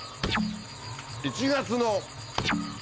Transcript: １月の。